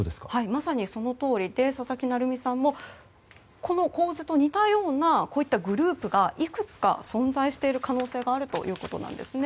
まさにそのとおりで佐々木成三さんもこの構図と似たようなグループがいくつか存在している可能性があるということなんですね。